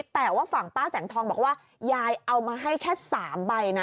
แต่ว่าฝั่งป้าแสงทองบอกว่ายายเอามาให้แค่๓ใบนะ